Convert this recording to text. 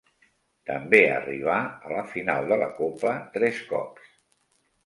També arribà a la final de la copa tres cops.